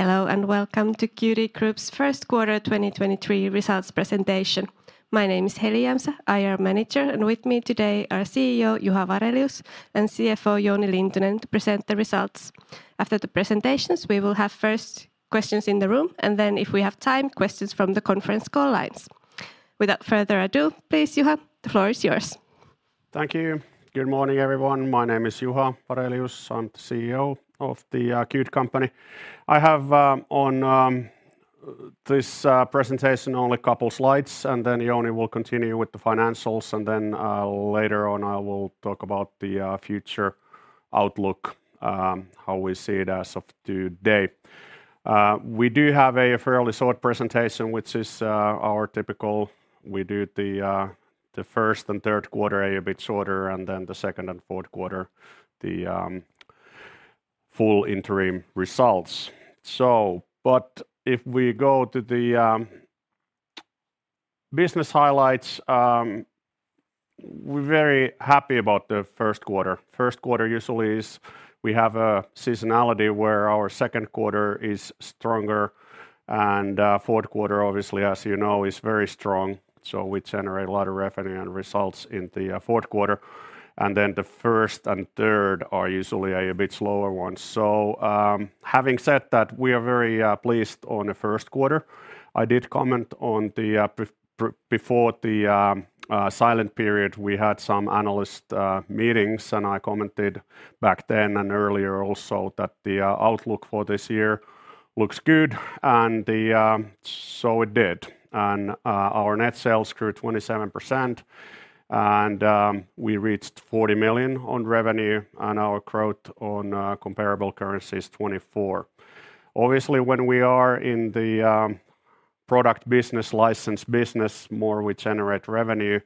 Hello, welcome to Qt Group's First Quarter 2023 Results Presentation. My name is Heli Jämsä, IR Manager, with me today are CEO Juha Varelius and CFO Jouni Lintunen to present the results. After the presentations, we will have first questions in the room, then if we have time, questions from the conference call lines. Without further ado, please, Juha, the floor is yours. Thank you. Good morning, everyone. My name is Juha Varelius. I'm the CEO of The Qt Company. I have on this presentation only a couple slides, and then Jouni will continue with the financials, and then later on I will talk about the future outlook, how we see it as of today. We do have a fairly short presentation which is our typical. We do the first and third quarter a bit shorter, and then the second and fourth quarter the full interim results. If we go to the business highlights, we're very happy about the first quarter. First quarter usually is we have a seasonality where our second quarter is stronger, fourth quarter obviously as you know is very strong, so we generate a lot of revenue and results in the fourth quarter. The first and third are usually a bit slower ones. Having said that, we are very pleased on the first quarter. I did comment on the before the silent period, we had some analyst meetings, I commented back then and earlier also that the outlook for this year looks good, so it did. Our net sales grew 27%, we reached 40 million on revenue, our growth on comparable currencies, 24%. Obviously, when we are in the product business, license business more we generate revenue,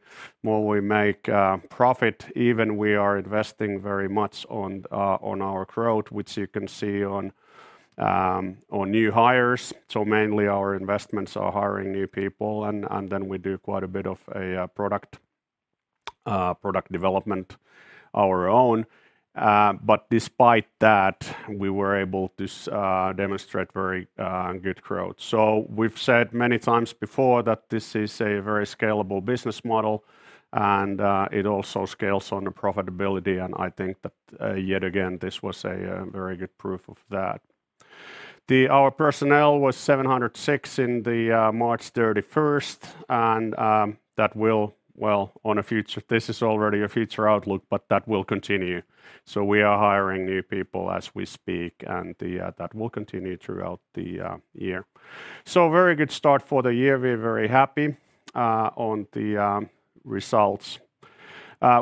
more we make profit. We are investing very much on our growth, which you can see on new hires. Mainly our investments are hiring new people and then we do quite a bit of product development our own. Despite that, we were able to demonstrate very good growth. We've said many times before that this is a very scalable business model and it also scales on the profitability, and I think that yet again, this was a very good proof of that. Our personnel was 706 in the March 31st and that will, this is already a future outlook, but that will continue. We are hiring new people as we speak and that will continue throughout the year. Very good start for the year. We're very happy on the results.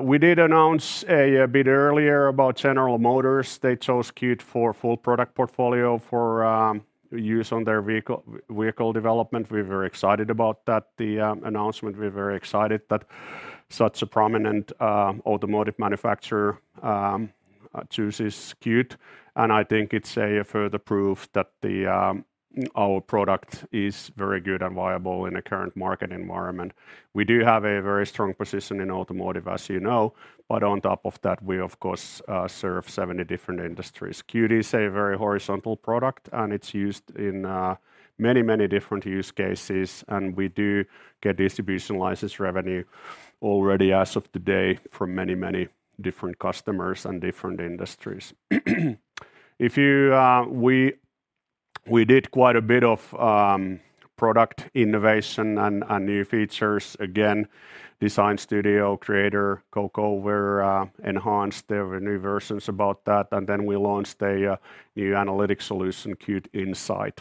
We did announce a bit earlier about General Motors. They chose Qt for full product portfolio for use on their vehicle development. We're very excited about that, the announcement. We're very excited that such a prominent automotive manufacturer chooses Qt, and I think it's a further proof that our product is very good and viable in the current market environment. We do have a very strong position in automotive, as you know, but on top of that, we of course, serve 70 different industries. Qt is a very horizontal product, and it's used in many different use cases, and we do get distribution license revenue already as of today from many different customers and different industries. If you, we did quite a bit of product innovation and new features again, Design Studio, Creator, Coco were enhanced. There were new versions about that. Then we launched a new analytic solution, Qt Insight.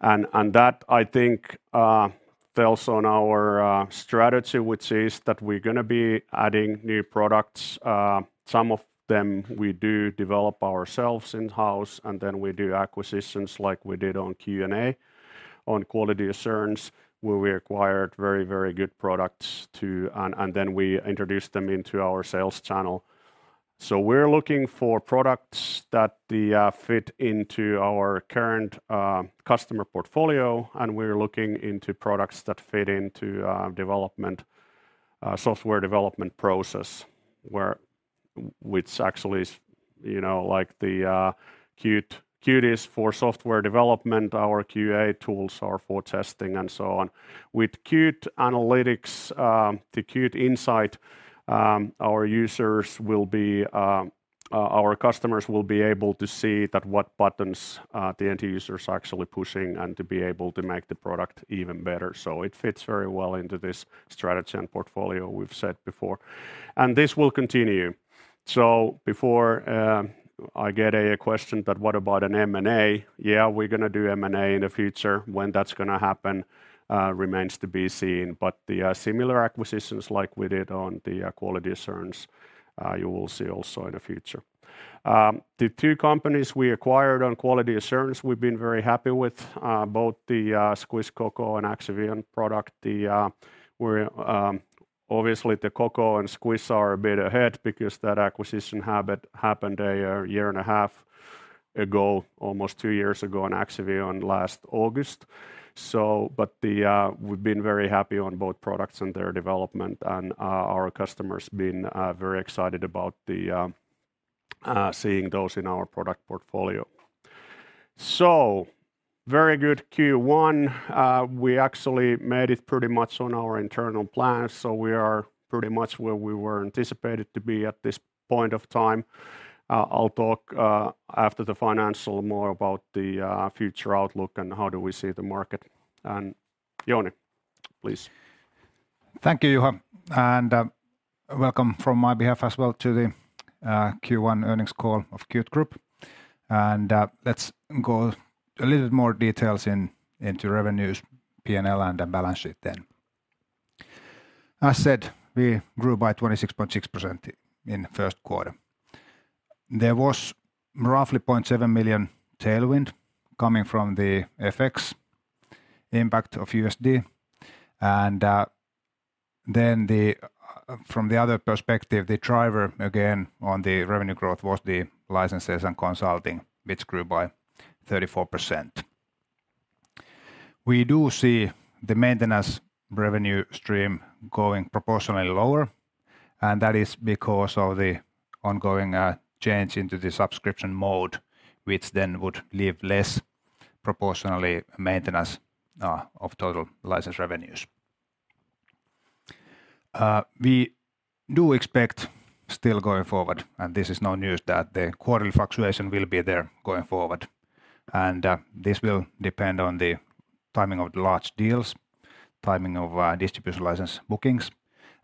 That I think sells on our strategy, which is that we're gonna be adding new products. Some of them we do develop ourselves in-house, and then we do acquisitions like we did on QA, on quality assurance, where we acquired very good products to... Then we introduced them into our sales channel. We're looking for products that fit into our current customer portfolio, and we're looking into products that fit into development software development process, which actually is, you know, like the Qt is for software development, our QA tools are for testing, and so on. With Qt Analytics, the Qt Insight, our users will be, our customers will be able to see that what buttons the end user is actually pushing and to be able to make the product even better. It fits very well into this strategy and portfolio we've set before. This will continue. Before I get a question that what about an M&A? Yeah, we're gonna do M&A in the future. When that's gonna happen, remains to be seen. The similar acquisitions like we did on the Quality Assurance, you will see also in the future. The two companies we acquired on Quality Assurance, we've been very happy with both the Squish, Coco, and Axivion product. Obviously the Coco and Squish are a bit ahead because that acquisition habit happened a year and a half ago, almost two years ago, and Axivion last August. We've been very happy on both products and their development, and our customers been very excited about seeing those in our product portfolio. Very good Q1. We actually made it pretty much on our internal plans. We are pretty much where we were anticipated to be at this point of time. I'll talk after the financial more about the future outlook and how do we see the market. Jouni, please. Thank you, Juha, and welcome from my behalf as well to the Q1 earnings call of Qt Group. Let's go a little bit more details into revenues, P&L and the balance sheet then. As said, we grew by 26.6% in the first quarter. There was roughly 0.7 million tailwind coming from the FX impact of USD. From the other perspective, the driver again on the revenue growth was the licenses and consulting, which grew by 34%. We do see the maintenance revenue stream going proportionally lower, and that is because of the ongoing change into the subscription mode, which then would leave less proportionally maintenance of total license revenues. We do expect still going forward, and this is no news, that the quarterly fluctuation will be there going forward. This will depend on the timing of the large deals, timing of distribution license bookings,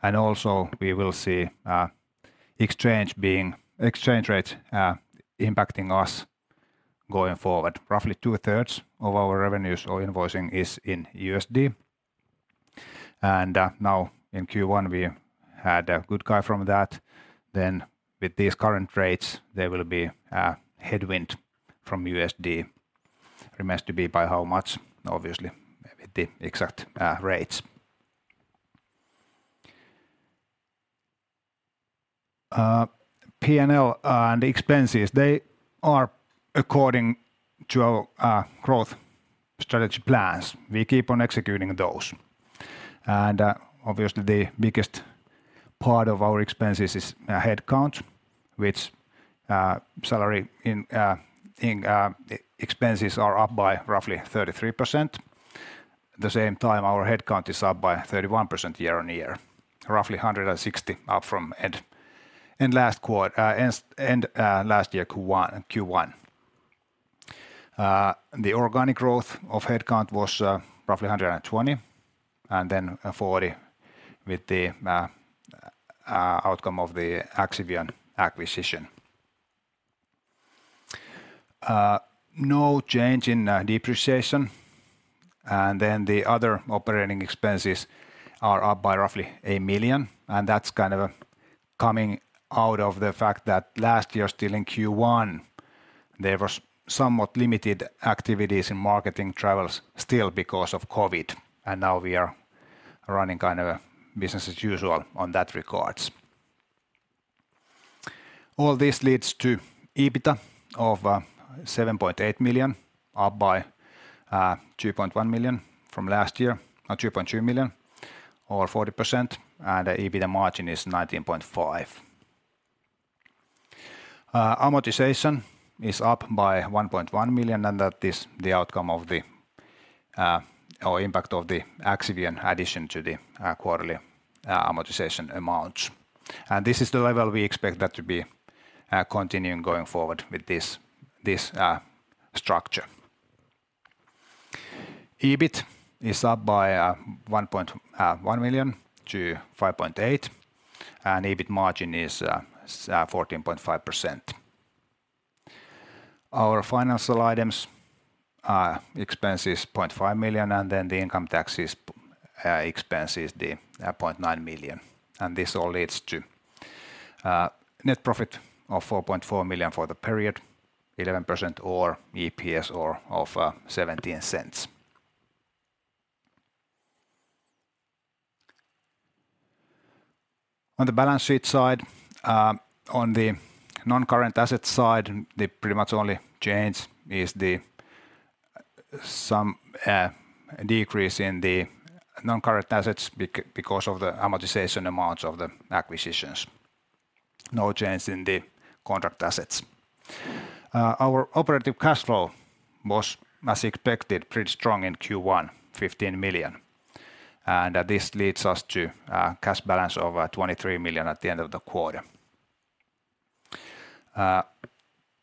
and also we will see exchange rate impacting us going forward. Roughly 2/3 of our revenues or invoicing is in USD. Now in Q1 we had a good guide from that. With these current rates, there will be a headwind from USD. Remains to be by how much, obviously with the exact rates. P&L and the expenses, they are according to our growth strategy plans. We keep on executing those. Obviously, the biggest part of our expenses is headcount, which salary in expenses are up by roughly 33%. The same time, our headcount is up by 31% year-on-year, roughly 160 up from end last quarter... end-end last year Q1. The organic growth of headcount was roughly 120, and then 40 with the outcome of the Axivion acquisition. No change in depreciation. The other operating expenses are up by roughly 8 million, and that's kind of coming out of the fact that last year still in Q1, there was somewhat limited activities in marketing travels still because of COVID, and now we are running kind of business as usual on that regards. All this leads to EBITDA of 7.8 million, up by 2.1 million from last year, 2.2 million or 40%, and the EBITDA margin is 19.5%. Amortization is up by 1.1 million. That is the outcome of the or impact of the Axivion addition to the quarterly amortization amounts. This is the level we expect that to be continuing going forward with this structure. EBIT is up by 1.1 million to 5.8 million. EBIT margin is 14.5%. Our financial items expense is 0.5 million. The income taxes expense is 0.9 million. This all leads to net profit of 4.4 million for the period, 11% or EPS of 0.17. On the balance sheet side, on the non-current assets side, the pretty much only change is the some decrease in the non-current assets because of the amortization amounts of the acquisitions. No change in the contract assets. Our operative cash flow was, as expected, pretty strong in Q1, 15 million. This leads us to a cash balance of 23 million at the end of the quarter.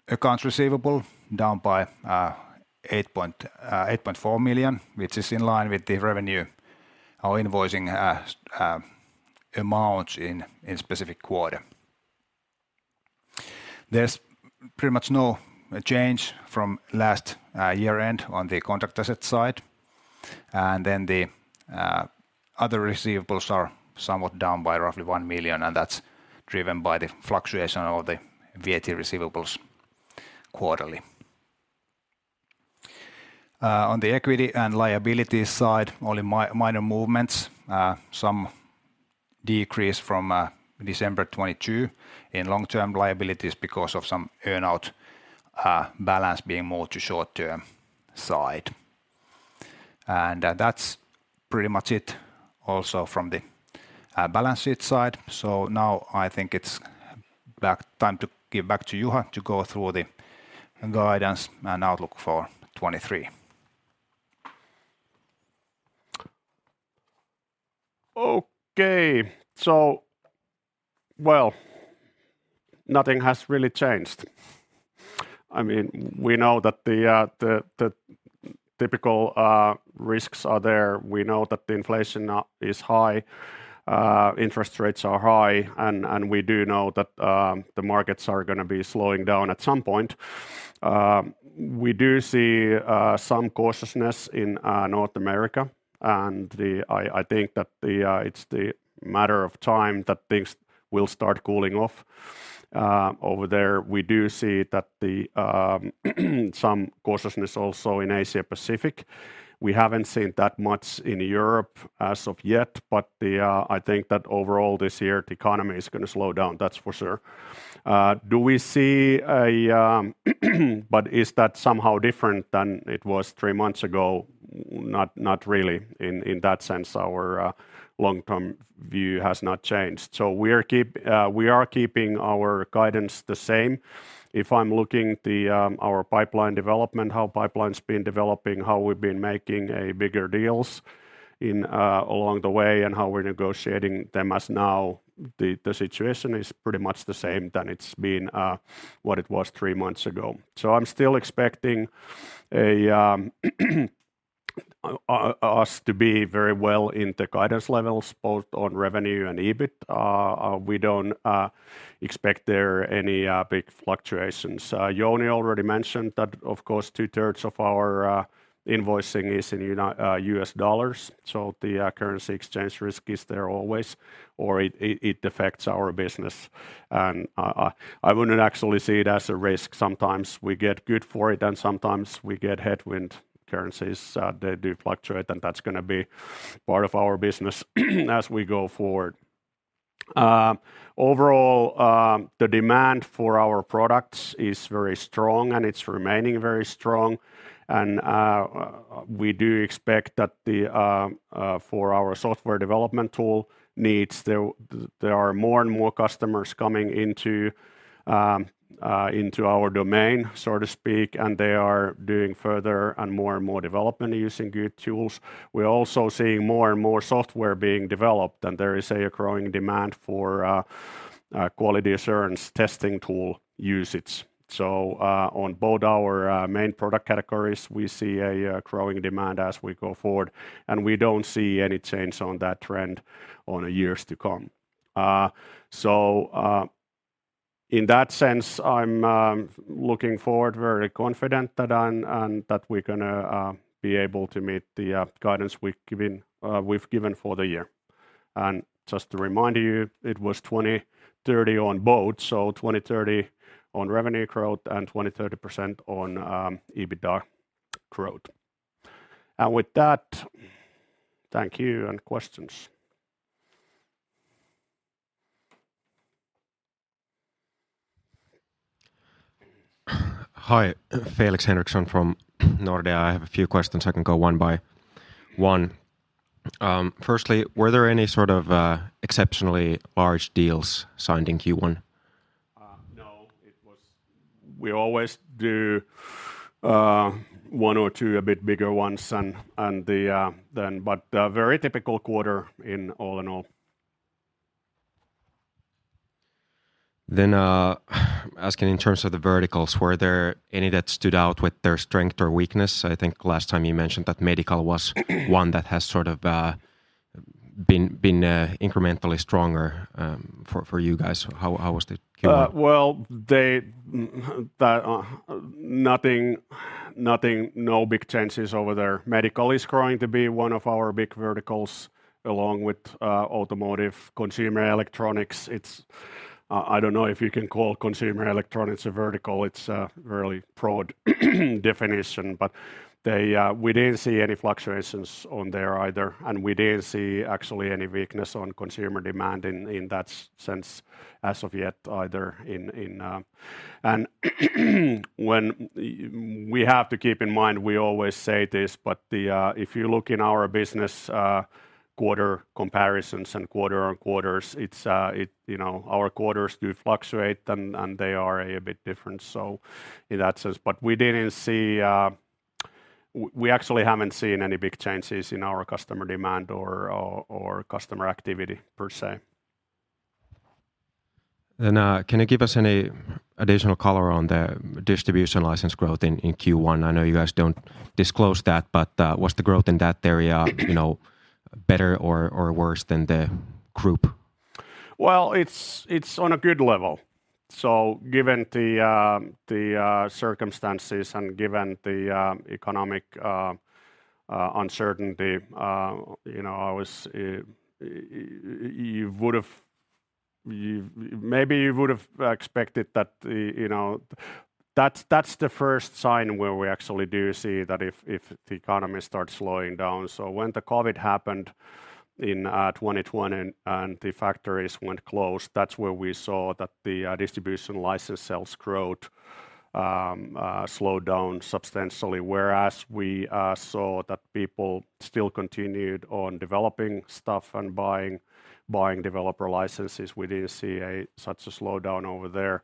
Accounts receivable down by 8.4 million, which is in line with the revenue or invoicing amounts in specific quarter. There's pretty much no change from last year-end on the contract asset side. Then the other receivables are somewhat down by roughly 1 million, and that's driven by the fluctuation of the VAT receivables quarterly. On the equity and liability side, only minor movements. Some decrease from December 2022 in long-term liabilities because of some earnout balance being more to short-term side. That's pretty much it also from the balance sheet side. Now I think it's time to give back to Juha to go through the guidance and outlook for 2023. Okay. Well, nothing has really changed. I mean, we know that the typical risks are there. We know that the inflation now is high, interest rates are high, and we do know that the markets are gonna be slowing down at some point. We do see some cautiousness in North America, I think that it's the matter of time that things will start cooling off over there. We do see that some cautiousness also in Asia-Pacific. We haven't seen that much in Europe as of yet. I think that overall this year, the economy is gonna slow down. That's for sure. Is that somehow different than it was three months ago? Not really. In that sense, our long-term view has not changed. We are keeping our guidance the same. If I'm looking the our pipeline development, how pipeline's been developing, how we've been making bigger deals along the way, and how we're negotiating them as now, the situation is pretty much the same than it's been what it was three months ago. I'm still expecting us to be very well in the guidance levels both on revenue and EBIT. We don't expect there any big fluctuations. Jouni already mentioned that, of course, 2/3 of our invoicing is in US dollars, so the currency exchange risk is there always, or it affects our business and I wouldn't actually see it as a risk. Sometimes we get good for it, and sometimes we get headwind. Currencies, they do fluctuate, and that's gonna be part of our business as we go forward. Overall, the demand for our products is very strong, and it's remaining very strong. We do expect that the for our software development tool needs there are more and more customers coming into into our domain, so to speak, and they are doing further and more and more development using good tools. We're also seeing more and more software being developed. There is a growing demand for quality assurance testing tool usage. On both our main product categories, we see a growing demand as we go forward, and we don't see any change on that trend on the years to come. In that sense, I'm looking forward very confident that we're gonna be able to meet the guidance we've given, we've given for the year. Just to remind you, it was 20%-30% on both, so 20%-30% on revenue growth and 20%-30% on EBITDA growth. With that, thank you, and questions. Hi. Felix Henriksson from Nordea. I have a few questions. I can go one by one. Firstly, were there any sort of exceptionally large deals signed in Q1? No. We always do one or two a bit bigger ones and the then. A very typical quarter in all in all. Asking in terms of the verticals, were there any that stood out with their strength or weakness? I think last time you mentioned that medical was one that has sort of, been incrementally stronger, for you guys. How was the Q1? Well, they, nothing, no big changes over there. Medical is growing to be one of our big verticals along with automotive, consumer electronics. It's, I don't know if you can call consumer electronics a vertical. It's a really broad definition. They, we didn't see any fluctuations on there either, and we didn't see actually any weakness on consumer demand in that sense as of yet either in. When we have to keep in mind, we always say this, but the, if you look in our business, quarter comparisons and quarter-on-quarters, it's, it, you know, our quarters do fluctuate and they are a bit different, so in that sense. We didn't see, we actually haven't seen any big changes in our customer demand or customer activity per se. Can you give us any additional color on the distribution license growth in Q1? I know you guys don't disclose that, but was the growth in that area, you know, better or worse than the group? Well, it's on a good level. Given the circumstances and given the economic uncertainty, you know, I was, you would've, maybe you would've expected that the, you know. That's the first sign where we actually do see that if the economy starts slowing down. When the COVID happened in 2020, and the factories went closed, that's where we saw that the distribution license sales growth slowed down substantially. Whereas we saw that people still continued on developing stuff and buying developer licenses, we didn't see a such a slowdown over there.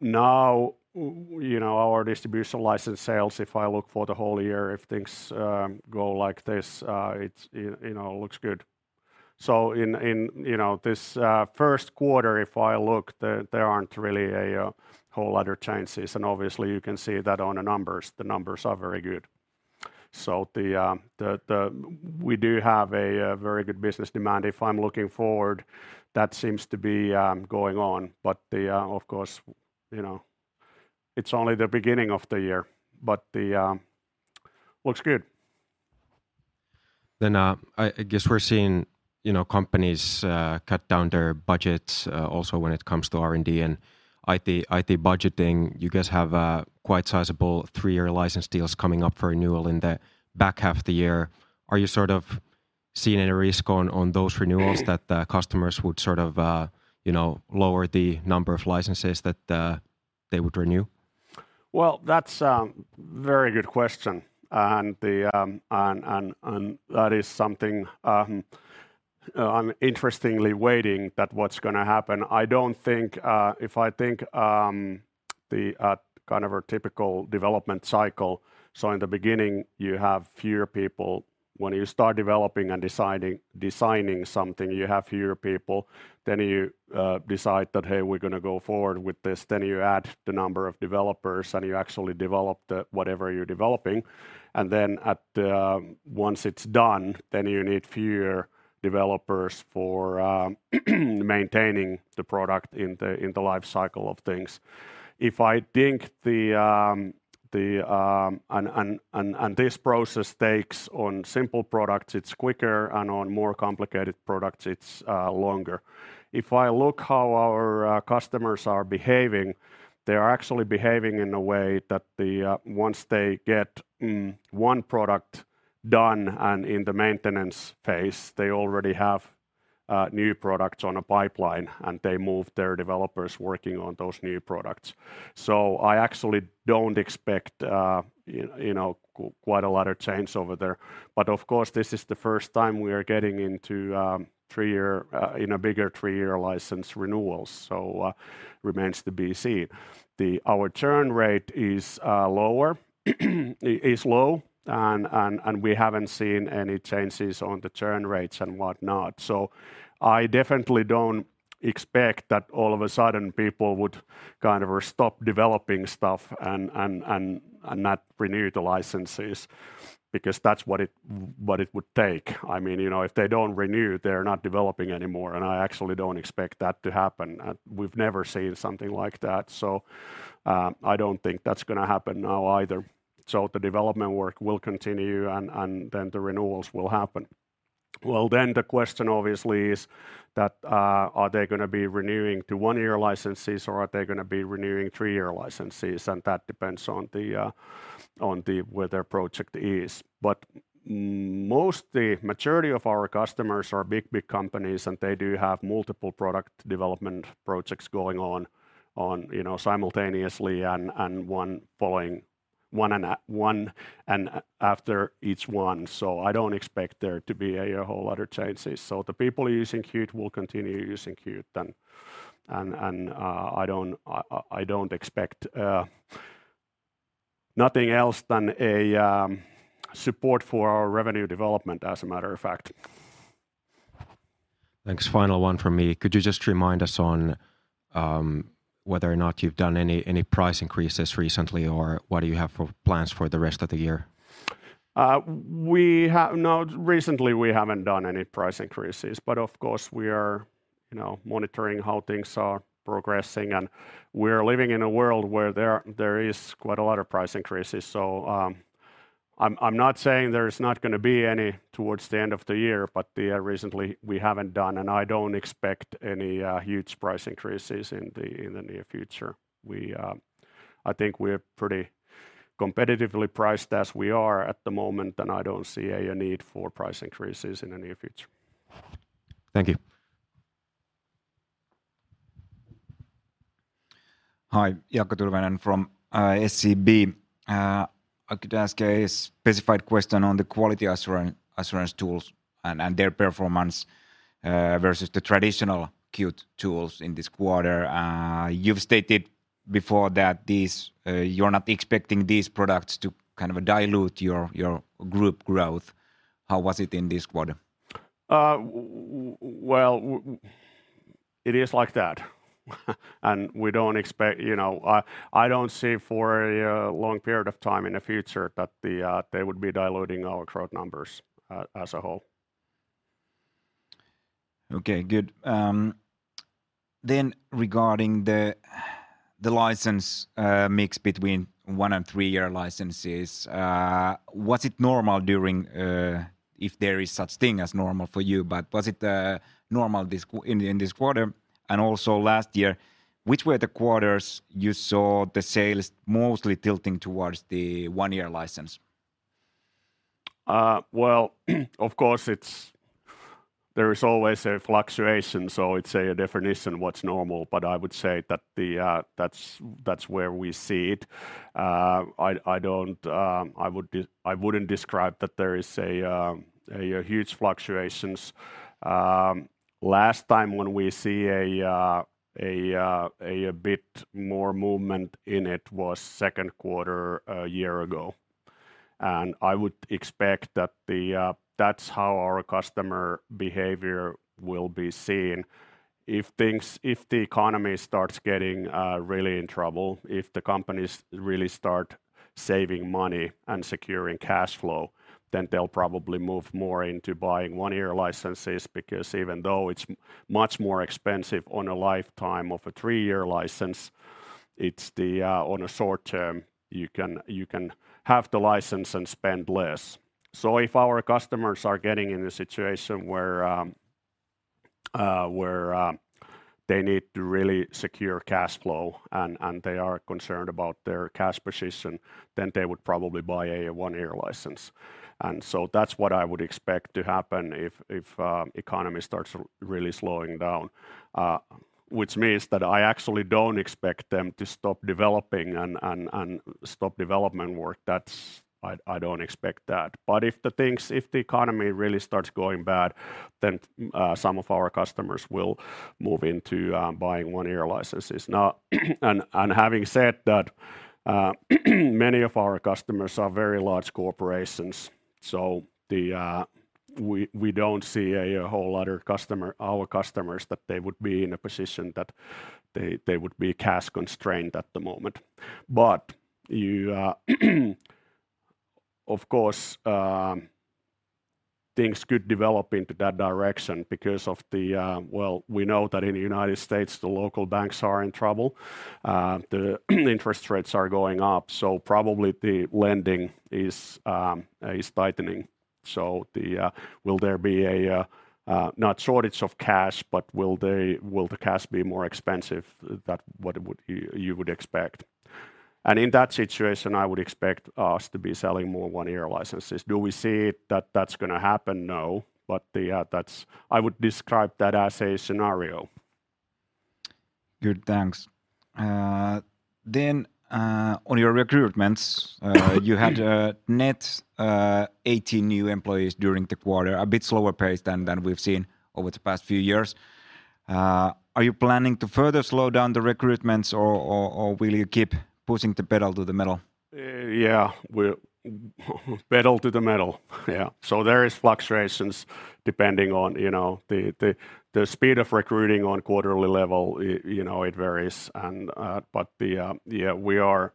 Now, you know, our distribution license sales, if I look for the whole year, if things go like this, it's, you know, looks good. In, in, you know, this first quarter, if I look, there aren't really a whole lot of changes, and obviously you can see that on the numbers. The numbers are very good. The... We do have a very good business demand. If I'm looking forward, that seems to be going on. The... Of course, you know, it's only the beginning of the year. The... Looks good. I guess we're seeing, you know, companies cut down their budgets, also when it comes to R&D and IT budgeting. You guys have quite sizable three-year license deals coming up for renewal in the back half the year. Are you sort of seeing any risk on those renewals that the customers would sort of, you know, lower the number of licenses that they would renew? Well, that's very good question. The, and, and that is something I'm interestingly waiting that what's gonna happen. I don't think. If I think the kind of a typical development cycle, so in the beginning, you have fewer people. When you start developing and deciding, designing something, you have fewer people, then you decide that, "Hey, we're gonna go forward with this," then you add the number of developers, and you actually develop the, whatever you're developing. Then at, once it's done, then you need fewer developers for maintaining the product in the life cycle of things. If I think the, and, and this process takes on simple products it's quicker, and on more complicated products it's longer. If I look how our customers are behaving, they are actually behaving in a way that once they get one product done and in the maintenance phase, they already have new products on a pipeline, and they move their developers working on those new products. I actually don't expect you know, quite a lot of change over there. Of course, this is the first time we are getting into three-year, you know, bigger three-year license renewals, so remains to be seen. Our churn rate is lower, is low and we haven't seen any changes on the churn rates and whatnot. I definitely don't expect that all of a sudden people would kind of stop developing stuff and not renew the licenses because that's what it, what it would take. I mean, you know, if they don't renew, they're not developing anymore, and I actually don't expect that to happen. We've never seen something like that, so, I don't think that's gonna happen now either. The development work will continue and then the renewals will happen. The question obviously is that, are they gonna be renewing to one-year licenses or are they gonna be renewing three-year licenses? That depends on the, where their project is. Most the maturity of our customers are big companies, and they do have multiple product development projects going on, you know, simultaneously and, one following one and after each one. I don't expect there to be a whole lot of changes. The people using Qt will continue using Qt then. I don't expect nothing else than a support for our revenue development as a matter of fact. Thanks. Final one from me. Could you just remind us on, whether or not you've done any price increases recently, or what do you have for plans for the rest of the year? No. Recently we haven't done any price increases. Of course we are, you know, monitoring how things are progressing, and we're living in a world where there is quite a lot of price increases. I'm not saying there's not gonna be any towards the end of the year, but recently we haven't done, and I don't expect any huge price increases in the near future. We, I think we're pretty competitively priced as we are at the moment, and I don't see a need for price increases in the near future. Thank you. Hi. Jaakko Tyrväinen from SEB. I could ask a specified question on the quality assurance tools and their performance versus the traditional Qt tools in this quarter. You've stated before that these, you're not expecting these products to kind of dilute your group growth. How was it in this quarter? Well, it is like that. We don't expect, you know, I don't see for a long period of time in the future that they would be diluting our growth numbers as a whole. Okay. Good. Regarding the license mix between one and three-year licenses, was it normal during, if there is such thing as normal for you, but was it normal in this quarter and also last year? Which were the quarters you saw the sales mostly tilting towards the one-year license? Well, of course, it's... There is always a fluctuation, so it's a definition what's normal. I would say that... That's where we see it. I don't... I wouldn't describe that there is a huge fluctuations. Last time when we see a bit more movement in it was second quarter a year ago. I would expect that... That's how our customer behavior will be seen. If things... If the economy starts getting really in trouble, if the companies really start saving money and securing cashflow, then they'll probably move more into buying one-year licenses because even though it's much more expensive on a lifetime of a three-year license, it's the... On a short term, you can have the license and spend less. If our customers are getting in a situation where they need to really secure cashflow and they are concerned about their cash position, then they would probably buy a one-year license. That's what I would expect to happen if economy starts really slowing down. Which means that I actually don't expect them to stop developing and stop development work. That's. I don't expect that. If the economy really starts going bad, then some of our customers will move into buying one-year licenses. Now. Having said that, many of our customers are very large corporations, so the. We don't see a whole lot of customer, our customers, that they would be in a position that they would be cash-constrained at the moment. Of course, things could develop into that direction because of the... We know that in the United States the local banks are in trouble. The interest rates are going up, probably the lending is tightening. Will there be a not shortage of cash, but will the cash be more expensive than what you would expect? In that situation, I would expect us to be selling more one-year licenses. Do we see that that's gonna happen? No. That's I would describe that as a scenario. Good. Thanks. On your recruitments, you had net 80 new employees during the quarter. A bit slower pace than we've seen over the past few years. Are you planning to further slow down the recruitments or will you keep pushing the pedal to the metal? Yeah. We're pedal to the metal. Yeah. There is fluctuations depending on, you know, the speed of recruiting on quarterly level. You know, it varies and. Yeah, we are.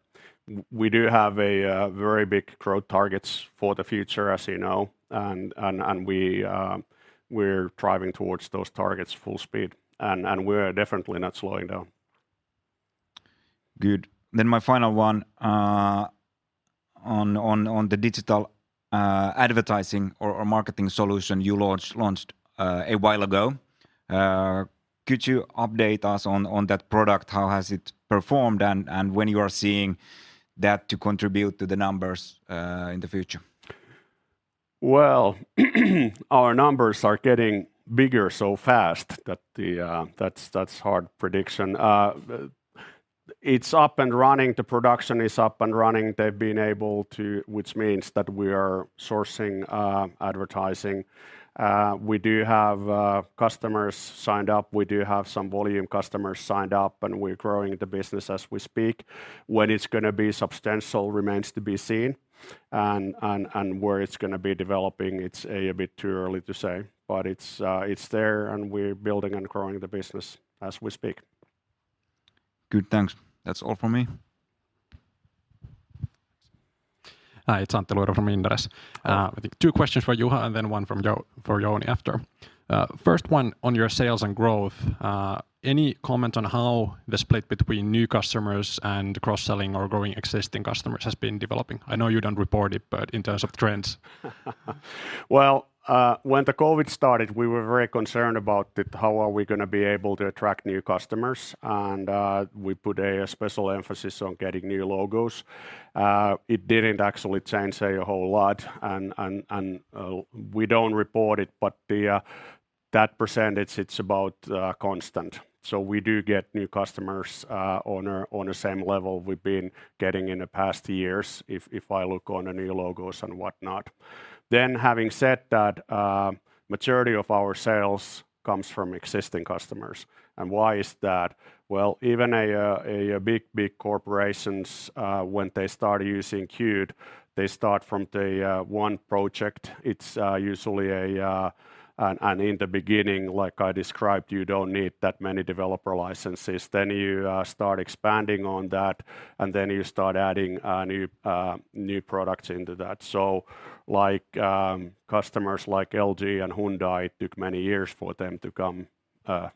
We do have a very big growth targets for the future, as you know, and we're driving towards those targets full speed, and we're definitely not slowing down. Good. My final one, on the digital advertising or marketing solution you launched a while ago. Could you update us on that product? How has it performed, and when you are seeing that to contribute to the numbers in the future? Well, our numbers are getting bigger so fast that That's hard prediction. It's up and running. The production is up and running. Which means that we are sourcing advertising. We do have customers signed up. We do have some volume customers signed up. We're growing the business as we speak. When it's gonna be substantial remains to be seen, and where it's gonna be developing, it's a bit too early to say. It's there. We're building and growing the business as we speak. Good. Thanks. That's all from me. Hi. It's Antti Luiro from Inderes. Hello. I think two questions for Juha and then one for Jouni after. First one on your sales and growth. Any comment on how the split between new customers and cross-selling or growing existing customers has been developing? I know you don't report it, but in terms of trends. Well, when the COVID started, we were very concerned about it. How are we gonna be able to attract new customers? We put a special emphasis on getting new logos. It didn't actually change a whole lot and, we don't report it, but the... That percentage, it's about constant. We do get new customers on a same level we've been getting in the past years if I look on the new logos and whatnot. Having said that, maturity of our sales comes from existing customers. Why is that? Well, even a big corporations, when they start using Qt, they start from the one project. It's usually a... In the beginning, like I described, you don't need that many developer licenses. You start expanding on that, and then you start adding new products into that. Like, customers like LG and Hyundai, it took many years for them to become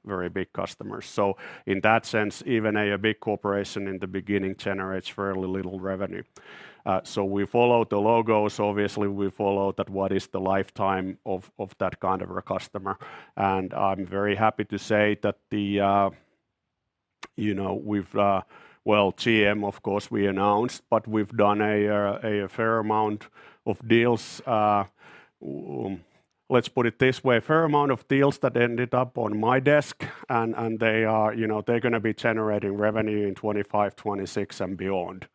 very big customers. In that sense, even a big corporation in the beginning generates fairly little revenue. We follow the logos. Obviously we follow that, what is the lifetime of that kind of a customer. I'm very happy to say that. You know, we've... Well, GM, of course, we announced, but we've done a fair amount of deals. let's put it this way, a fair amount of deals that ended up on my desk and they are, you know, they're gonna be generating revenue in 2025, 2026, and beyond.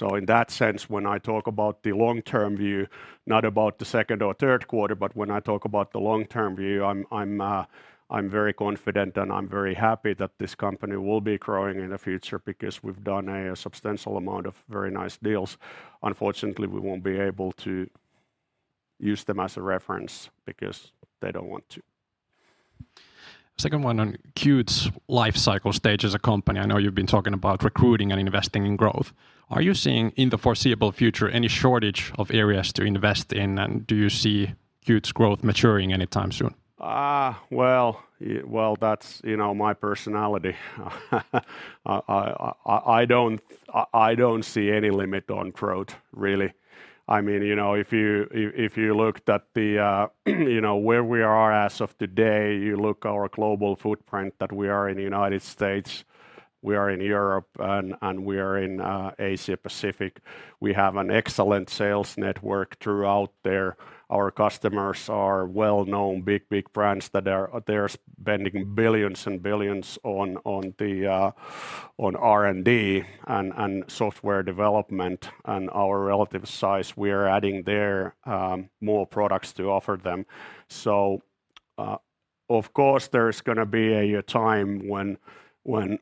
In that sense, when I talk about the long-term view, not about the second or third quarter, but when I talk about the long-term view, I'm very confident and I'm very happy that this company will be growing in the future because we've done a substantial amount of very nice deals. Unfortunately, we won't be able to use them as a reference because they don't want to. Second one on Qt's life cycle stage as a company. I know you've been talking about recruiting and investing in growth. Are you seeing, in the foreseeable future, any shortage of areas to invest in? Do you see Qt's growth maturing anytime soon? Well, that's, you know, my personality. I don't see any limit on growth, really. I mean, you know, if you looked at the, you know, where we are as of today, you look our global footprint, that we are in the United States, we are in Europe, and we are in Asia-Pacific. We have an excellent sales network throughout there. Our customers are well-known big brands that are. They're spending billions and billions on R&D and software development. Our relative size, we are adding there, more products to offer them. Of course, there's gonna be a time when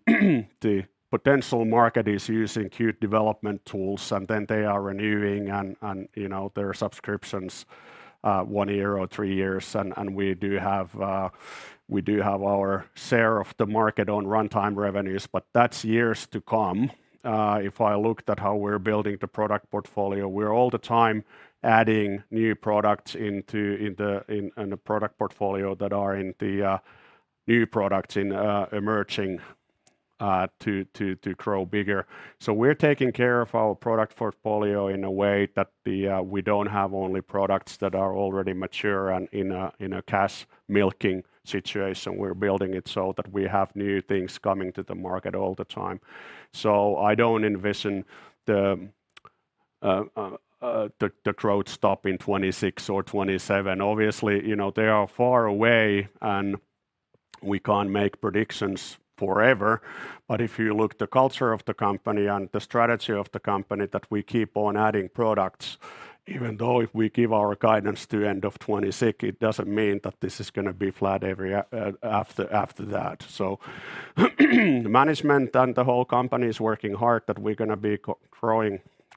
the potential market is using Qt development tools, and then they are renewing and, you know, their subscriptions, one year or three years. We do have our share of the market on runtime revenues, but that's years to come. If I looked at how we're building the product portfolio, we're all the time adding new products into the product portfolio that are in new products in emerging to grow bigger. We're taking care of our product portfolio in a way that we don't have only products that are already mature and in a cash milking situation. We're building it so that we have new things coming to the market all the time. I don't envision the growth stopping 2026 or 2027. Obviously, you know, they are far away and we can't make predictions forever. If you look the culture of the company and the strategy of the company, that we keep on adding products, even though if we give our guidance to end of 2026, it doesn't mean that this is gonna be flat every year after that. The management and the whole company is working hard that we're gonna be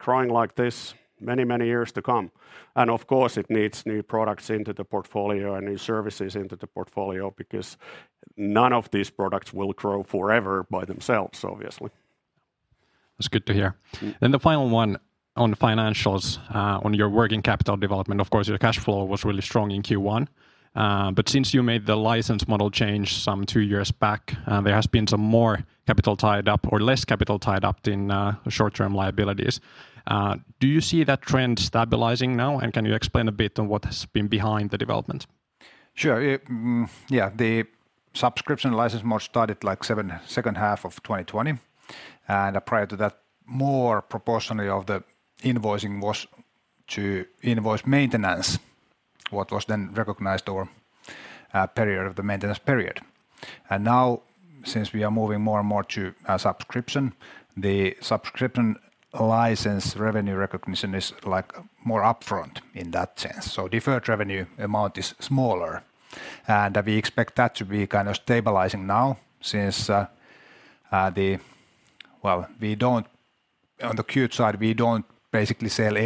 growing like this many, many years to come. Of course, it needs new products into the portfolio and new services into the portfolio because none of these products will grow forever by themselves, obviously. That's good to hear. The final one on financials. On your working capital development, of course, your cash flow was really strong in Q1. Since you made the license model change some two years back, there has been some more capital tied up or less capital tied up in short-term liabilities. Do you see that trend stabilizing now? Can you explain a bit on what has been behind the development? Sure. It, yeah. The subscription license model started, like, second half of 2020. Prior to that, more proportionally of the invoicing was to invoice maintenance, what was then recognized or period of the maintenance period. Now, since we are moving more and more to a subscription, the subscription license revenue recognition is, like, more upfront in that sense. Deferred revenue amount is smaller. We expect that to be kind of stabilizing now since the... Well, we don't. On the Qt side, we don't basically sell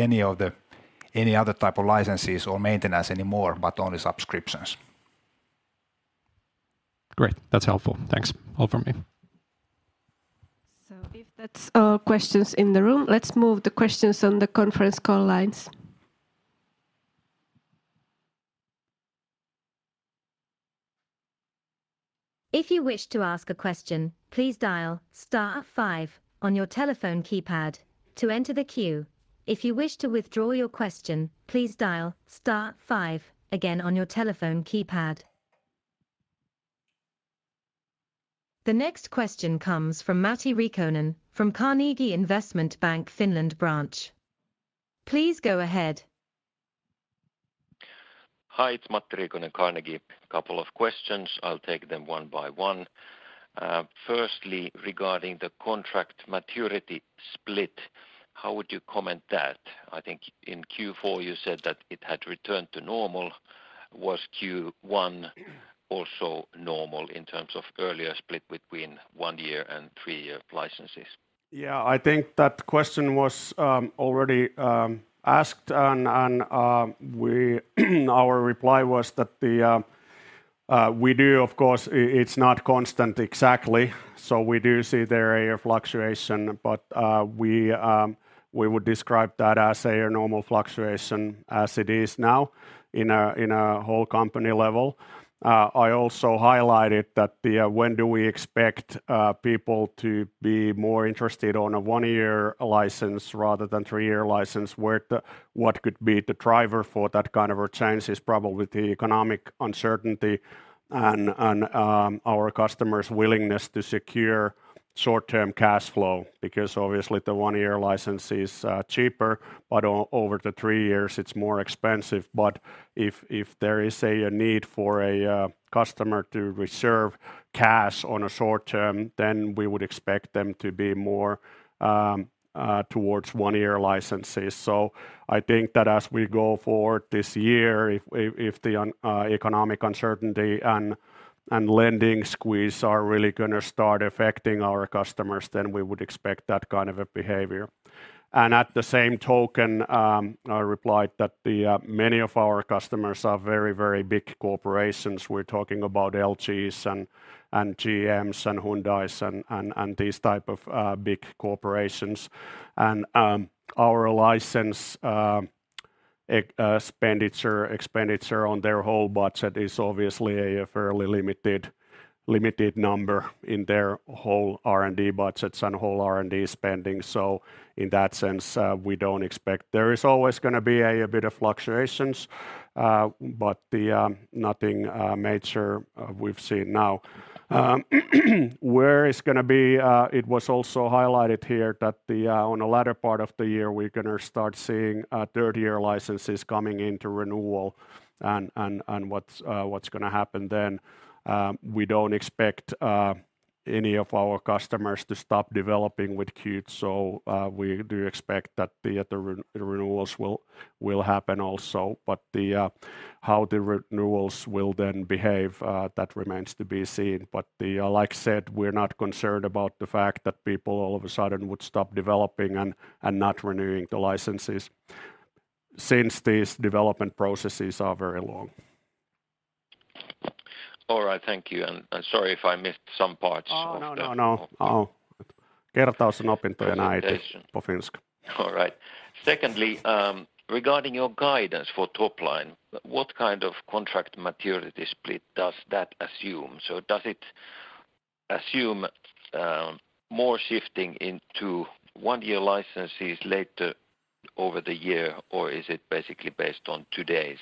any other type of licenses or maintenance anymore, but only subscriptions. Great. That's helpful. Thanks. All from me. If that's all questions in the room, let's move the questions on the conference call lines. If you wish to ask a question, please dial star five on your telephone keypad to enter the queue. If you wish to withdraw your question, please dial star five again on your telephone keypad. The next question comes from Matti Riikonen from Carnegie Investment Bank, Finland branch. Please go ahead. Hi, it's Matti Riikonen, Carnegie. Couple of questions. I'll take them one by one. Firstly, regarding the contract maturity split, how would you comment that? I think in Q4 you said that it had returned to normal. Was Q1 also normal in terms of earlier split between one-year and three-year licenses? Yeah. I think that question was already asked, and our reply was that we do, of course, it's not constant exactly, so we do see there a fluctuation. We would describe that as a normal fluctuation as it is now in a whole company level. I also highlighted that when do we expect people to be more interested on a one-year license rather than three-year license, what could be the driver for that kind of a change is probably the economic uncertainty and our customers' willingness to secure short-term cash flow because obviously the one-year license is cheaper, but over the three years it's more expensive. If there is a need for a customer to reserve cash on a short term, then we would expect them to be more towards one-year licenses. I think that as we go forward this year, if the economic uncertainty and lending squeeze are really gonna start affecting our customers, then we would expect that kind of a behavior. At the same token, I replied that many of our customers are very big corporations. We're talking about LGs and GMs and Hyundais and these type of big corporations. Our license expenditure on their whole budget is obviously a fairly limited number in their whole R&D budgets and whole R&D spending. In that sense, we don't expect... There is always gonna be a bit of fluctuations, but nothing major we've seen now. Where it's gonna be, it was also highlighted here that on the latter part of the year, we're gonna start seeing third-year licenses coming into renewal and what's gonna happen then. We don't expect any of our customers to stop developing with Qt, so we do expect that the renewals will happen also. How the renewals will then behave, that remains to be seen. Like I said, we're not concerned about the fact that people all of a sudden would stop developing and not renewing the licenses since these development processes are very long. All right. Thank you. Sorry if I missed some parts of. Oh, no, no. Oh. All right. Secondly, regarding your guidance for top line, what kind of contract maturity split does that assume? Does it assume, more shifting into 1-year licenses later over the year, or is it basically based on today's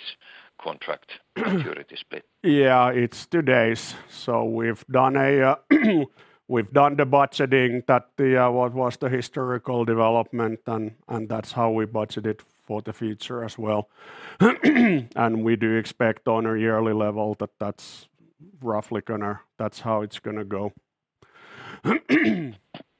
contract maturity split? Yeah, it's today's. We've done a, we've done the budgeting that the, what was the historical development and that's how we budget it for the future as well. We do expect on a yearly level that that's roughly that's how it's gonna go.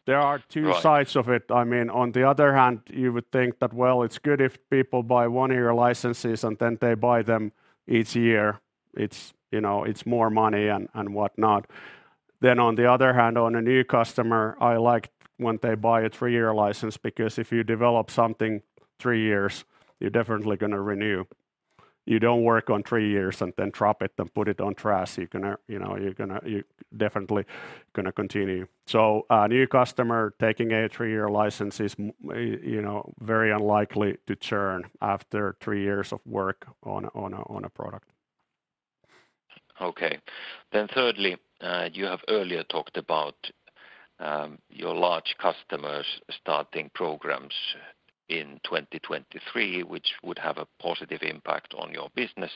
There are two- Right ...sides of it. I mean, on the other hand, you would think that, well, it's good if people buy one of your licenses, and then they buy them each year. It's, you know, it's more money and whatnot. On the other hand, on a new customer, I like when they buy a three-year license because if you develop something three years, you're definitely gonna renew. You don't work on three years and then drop it and put it on trash. You're gonna, you know, you're definitely gonna continue. So a new customer taking a three-year license is you know, very unlikely to churn after three years of work on a product. Okay. Thirdly, you have earlier talked about your large customers starting programs in 2023, which would have a positive impact on your business.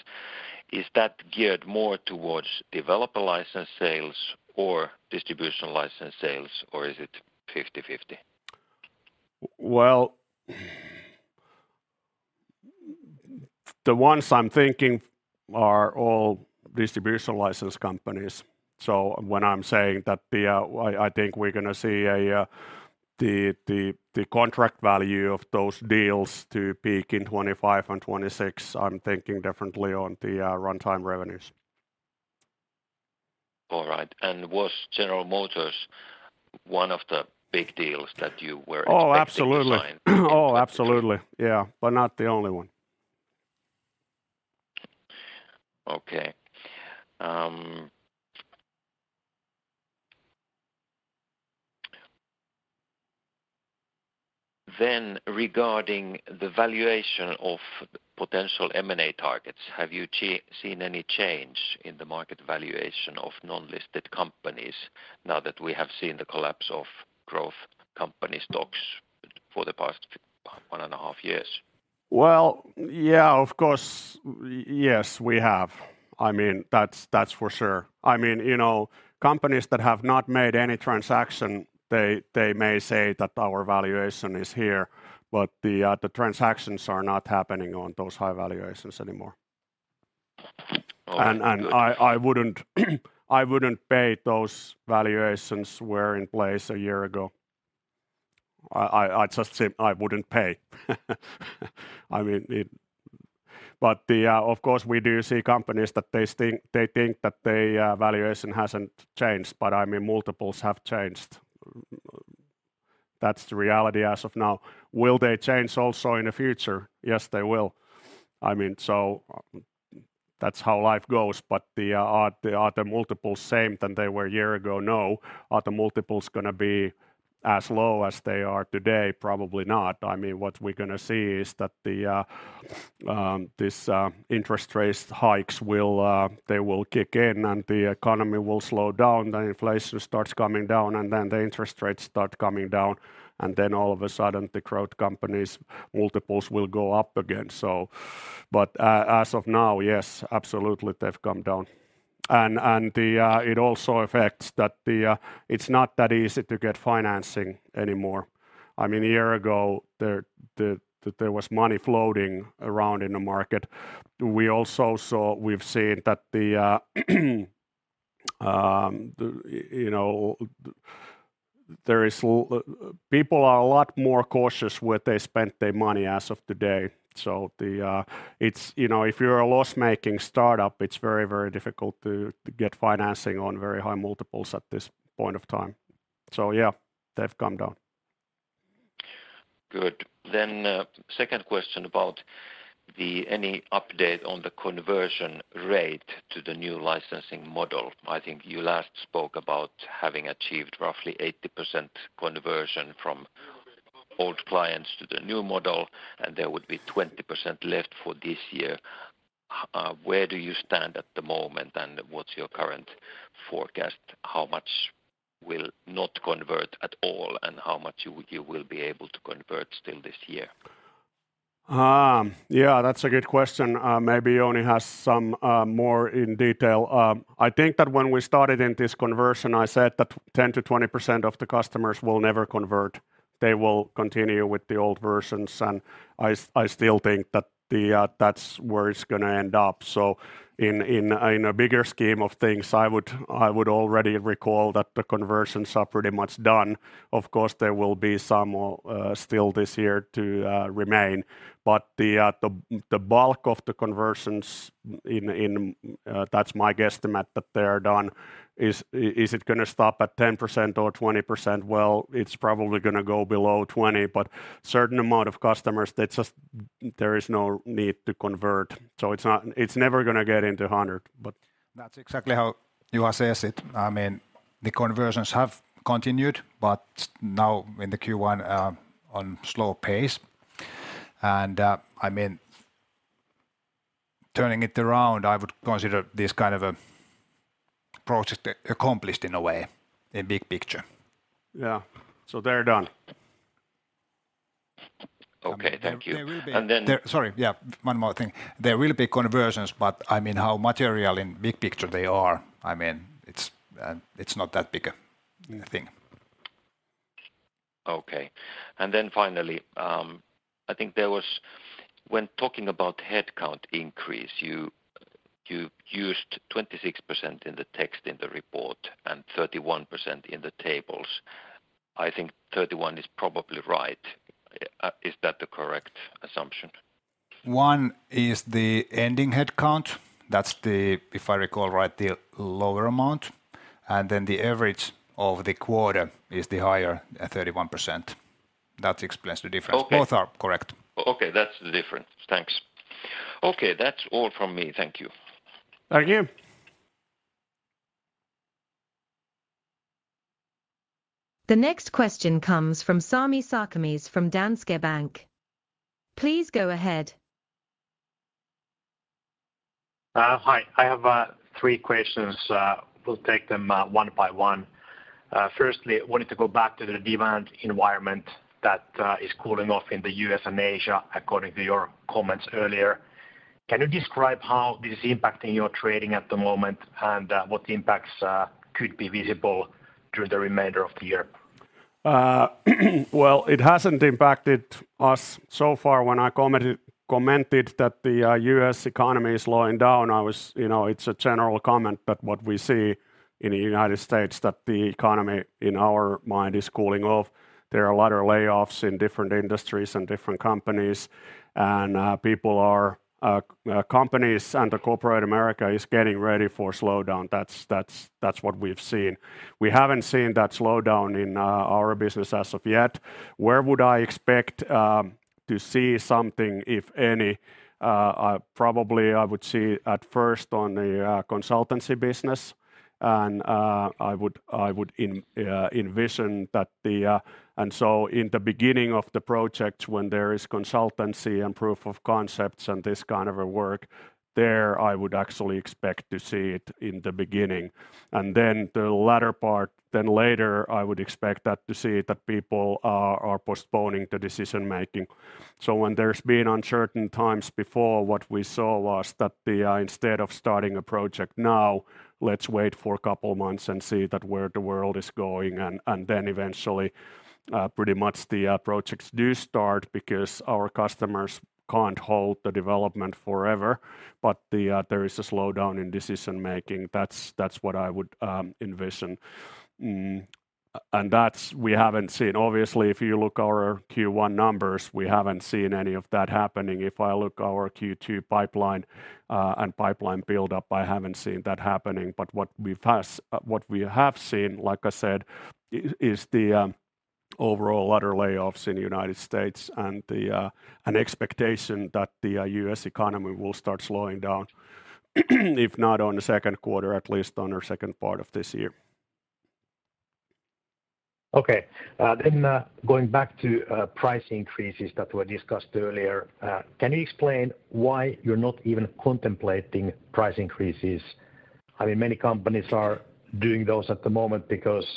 Is that geared more towards developer license sales or distribution license sales, or is it 50/50? The ones I'm thinking are all distribution license companies. When I'm saying that I think we're gonna see the contract value of those deals to peak in 2025 and 2026, I'm thinking differently on the runtime revenues. All right. Was General Motors one of the big deals that you were expecting to sign? Oh, absolutely. Yeah. Not the only one. Okay. Regarding the valuation of potential M&A targets, have you seen any change in the market valuation of non-listed companies now that we have seen the collapse of growth company stocks for the past one and a half years? Well, yeah, of course. Yes, we have. I mean, that's for sure. I mean, you know, companies that have not made any transaction, they may say that our valuation is here, but the transactions are not happening on those high valuations anymore. All right. I wouldn't pay those valuations were in place 1 year ago. I just say I wouldn't pay. I mean, it. Of course, we do see companies that they think that the valuation hasn't changed, but, I mean, multiples have changed. That's the reality as of now. Will they change also in the future? Yes, they will. I mean, that's how life goes. Are the multiples same than they were 1 year ago? No. Are the multiples gonna be as low as they are today? Probably not. I mean, what we're gonna see is that this interest rates hikes will they will kick in and the economy will slow down, the inflation starts coming down, and then the interest rates start coming down, and then all of a sudden the growth companies' multiples will go up again. As of now, yes, absolutely they've come down. It also affects that it's not that easy to get financing anymore. I mean, a year ago there was money floating around in the market. We've seen that, you know, People are a lot more cautious where they spend their money as of today. It's, you know, if you're a loss-making startup, it's very difficult to get financing on very high multiples at this point of time. Yeah, they've come down. Good. Second question about the any update on the conversion rate to the new licensing model? I think you last spoke about having achieved roughly 80% conversion from old clients to the new model, and there would be 20% left for this year. Where do you stand at the moment, and what's your current forecast? How much will not convert at all, and how much you will be able to convert still this year? Yeah. That's a good question. Maybe Jouni has some more in detail. I think that when we started in this conversion, I said that 10%-20% of the customers will never convert. They will continue with the old versions. I still think that's where it's gonna end up. In a bigger scheme of things, I would already recall that the conversions are pretty much done. Of course, there will be some still this year to remain, but the bulk of the conversions in that's my guesstimate that they are done. Is it gonna stop at 10% or 20%? Well, it's probably gonna go below 20, but certain amount of customers that just there is no need to convert. It's never gonna get into 100... That's exactly how Juha says it. I mean, the conversions have continued, but now in the Q1, on slow pace. I mean, turning it around, I would consider this kind of a project accomplished in a way, in big picture. Yeah. They're done. Okay. Thank you. I mean, there will. And then- Sorry. Yeah. One more thing. There will be conversions, but I mean, how material in big picture they are, I mean, it's not that big a thing. Okay. Finally, I think there was... When talking about headcount increase, you used 26% in the text in the report and 31% in the tables. I think 31% is probably right. Is that the correct assumption? One is the ending headcount, that's the, if I recall right, the lower amount. Then the average of the quarter is the higher at 31%. That explains the difference. Okay. Both are correct. Okay. That's the difference. Thanks. Okay. That's all from me. Thank you. Thank you. The next question comes from Sami Sarkamies from Danske Bank. Please go ahead. Hi. I have three questions. We'll take them one by one. Firstly, wanted to go back to the demand environment that is cooling off in the U.S. and Asia according to your comments earlier. Can you describe how this is impacting your trading at the moment and what impacts could be visible through the remainder of the year? Well, it hasn't impacted us so far. When I commented that the U.S. economy is slowing down, You know, it's a general comment, but what we see in the United States that the economy, in our mind, is cooling off. There are a lot of layoffs in different industries and different companies and people are companies and the corporate America is getting ready for slowdown. That's what we've seen. We haven't seen that slowdown in our business as of yet. Where would I expect to see something, if any? Probably I would see at first on the consultancy business and I would envision that the... In the beginning of the projects when there is consultancy and proof of concepts and this kind of work, there I would actually expect to see it in the beginning. Then the latter part, then later I would expect that to see that people are postponing the decision-making. When there's been uncertain times before, what we saw was that the instead of starting a project now, let's wait for a couple months and see that where the world is going, then eventually, pretty much the projects do start because our customers can't halt the development forever. There is a slowdown in decision-making. That's what I would envision. That's we haven't seen. Obviously, if you look our Q1 numbers, we haven't seen any of that happening. If I look our Q2 pipeline and pipeline buildup, I haven't seen that happening. What we have seen, like I said, is overall a lot of layoffs in the United States and an expectation that the US economy will start slowing down if not on the second quarter, at least on the second part of this year. Okay. Going back to price increases that were discussed earlier, can you explain why you're not even contemplating price increases? I mean, many companies are doing those at the moment because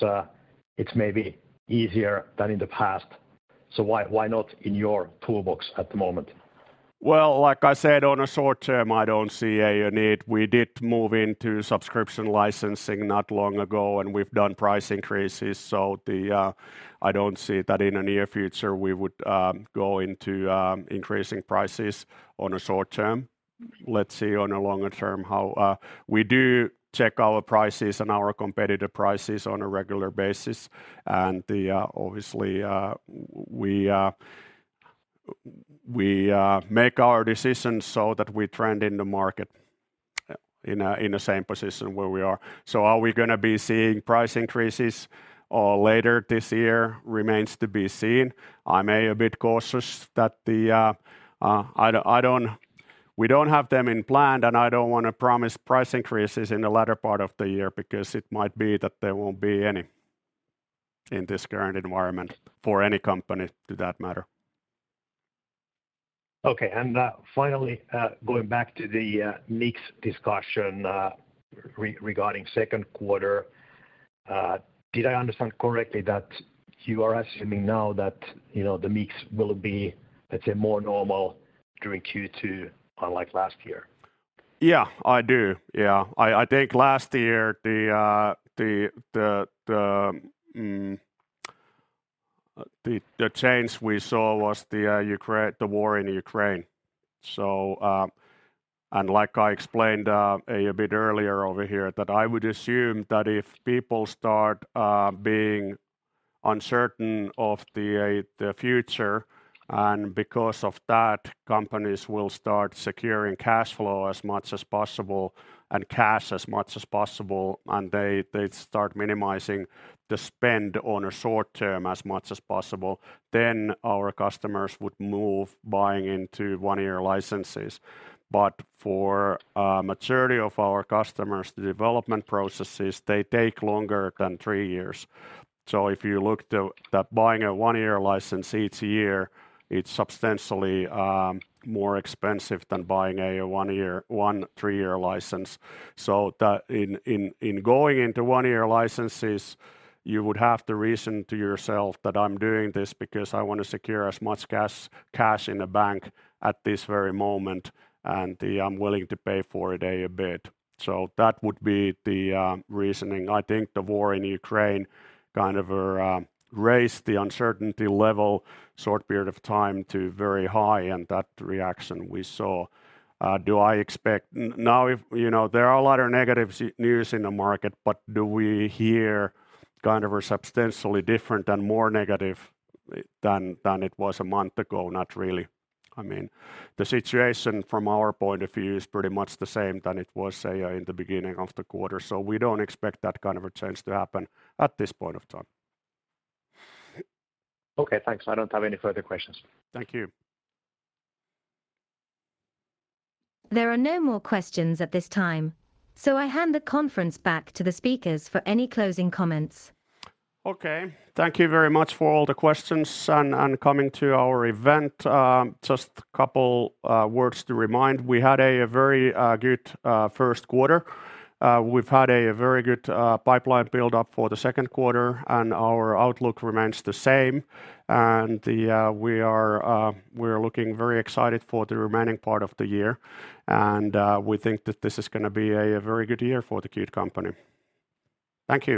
it's maybe easier than in the past. Why, why not in your toolbox at the moment? Well, like I said, on a short term, I don't see a need. We did move into subscription licensing not long ago, and we've done price increases, so I don't see that in the near future we would go into increasing prices on a short term. Let's see on a longer term how. We do check our prices and our competitor prices on a regular basis and obviously we make our decisions so that we trend in the market in the same position where we are. Are we gonna be seeing price increases later this year? Remains to be seen. I'm a bit cautious that I don't. We don't have them in plan, and I don't wanna promise price increases in the latter part of the year because it might be that there won't be any in this current environment for any company to that matter. Okay. Finally, going back to the mix discussion, regarding second quarter, did I understand correctly that you are assuming now that, you know, the mix will be, let's say, more normal during Q2 unlike last year? Yeah, I do. Yeah. I think last year the change we saw was the war in Ukraine. Like I explained a bit earlier over here, that I would assume that if people start being uncertain of the future, and because of that companies will start securing cashflow as much as possible and cash as much as possible, and they start minimizing the spend on a short term as much as possible, then our customers would move buying into one-year licenses. For maturity of our customers, the development processes, they take longer than three years. If you look to that buying a one-year license each year, it's substantially more expensive than buying a one three-year license. In going into one-year licenses, you would have to reason to yourself that I wanna secure as much cash in the bank at this very moment, and the I'm willing to pay for it a bit. That would be the reasoning. I think the war in Ukraine kind of raised the uncertainty level short period of time to very high. That reaction we saw. Do I expect? Now if, you know, there are a lot of negative news in the market, do we hear kind of a substantially different and more negative than it was a month ago? Not really. I mean, the situation from our point of view is pretty much the same than it was, say, in the beginning of the quarter. We don't expect that kind of a change to happen at this point of time. Okay, thanks. I don't have any further questions. Thank you. There are no more questions at this time, I hand the conference back to the speakers for any closing comments. Okay. Thank you very much for all the questions and coming to our event. Just couple words to remind. We had a very good first quarter. We've had a very good pipeline build-up for the second quarter, our outlook remains the same. The... We are, we are looking very excited for the remaining part of the year and, we think that this is gonna be a very good year for The Qt Company. Thank you.